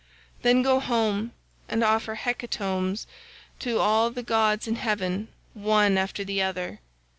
90 Then go home and offer hecatombs to all the gods in heaven one after the other.